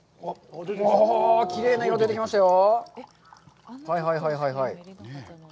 きれいな色が出てきましたよ。